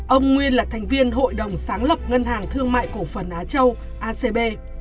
ông nguyên là thành viên hội đồng sáng lập ngân hàng thương mại cổ phần á châu acb